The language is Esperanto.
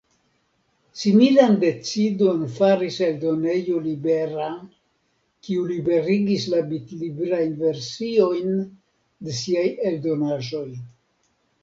Similan decidon faris Eldonejo Libera, kiu liberigis la bitlibrajn versiojn de siaj eldonaĵoj.